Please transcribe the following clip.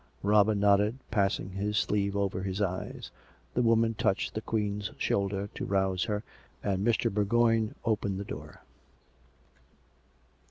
Robin nodded, passing his sleeve over his eyes. The woman touclied the Queen's shoulder to rouse her, and Mr. Bourgoign opened the door.